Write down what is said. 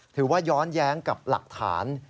ถือว่าย้อนแย้งกับหลักฐาน